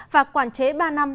và quản chế ba năm